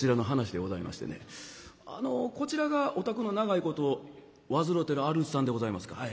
あのこちらがお宅の長いこと患うてるあるじさんでございますか。